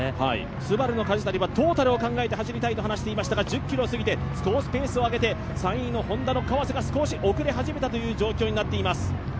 ＳＵＢＡＲＵの梶谷はトータルを考えて走りたいと言っていましたが１０ｋｍを過ぎて少しペースを上げて、川瀬が遅れはじめたという状況になっています。